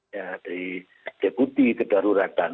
yang diikuti kedaruratan